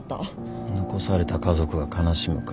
残された家族が悲しむから。